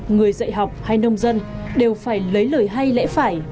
người dạy học hay nông dân đều phải lấy lời hay lẽ phải